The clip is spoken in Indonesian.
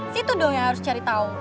situ dong yang harus cari tahu